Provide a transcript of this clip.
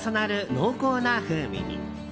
濃厚な風味に。